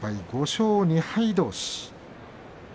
５勝２敗どうし。